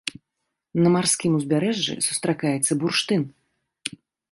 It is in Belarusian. На марскім узбярэжжы сустракаецца бурштын.